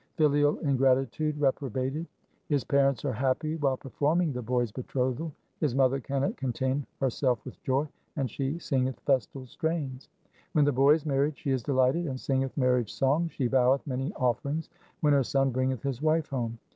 2 Filial ingratitude reprobated :— His parents are happy while performing the boy's be 1 XXXVI. 2 XXXVII. BHAI GUR DAS'S ANALYSIS 271 trothal. His mother cannot contain herself with joy, and she singeth festal strains. When the boy is married, she is delighted and singeth marriage songs. She voweth many offerings when her son bringeth his wife home.